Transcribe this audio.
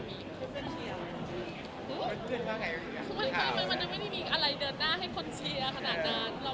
มันไม่มีอะไรเดินหน้าให้คนเชียร์ขนาดนั้น